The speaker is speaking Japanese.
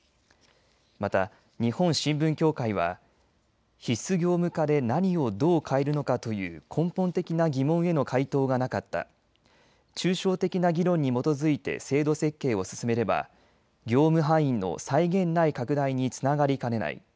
また、日本新聞協会は必須業務化で何をどう変えるのかという根本的な疑問への回答がなかった抽象的な議論に基づいて制度設計を進めれば業務範囲の際限ない拡大につながりかねない。